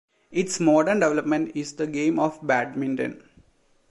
Its modern development is the game of badminton.